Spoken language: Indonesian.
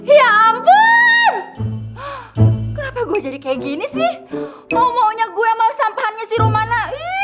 ya ampun kenapa gue jadi kayak gini sih maunya gue mau sampahnya si romana